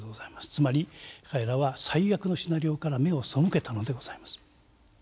つまり彼らは最悪のシナリオから目を背けたのでございます。